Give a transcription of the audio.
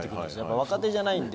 若手じゃないので。